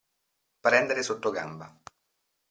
Prendere sottogamba.